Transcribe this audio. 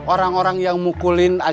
orang orang yang mukulin